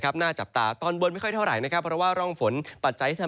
หน้าจับตาตอนบนไม่ค่อยเท่าไหร่นะครับเพราะว่าร่องฝนปัจจัยที่ทำ